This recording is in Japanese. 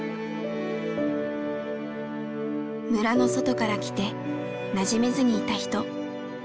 村の外から来てなじめずにいた人。